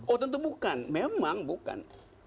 oh tentu bukan memang bukan